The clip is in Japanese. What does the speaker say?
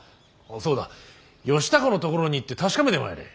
そうだ義高のところに行って確かめてまいれ。